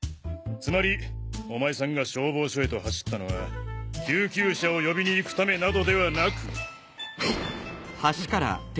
つまりお前さんが消防署へと走ったのは救急車を呼びに行くためなどではなく。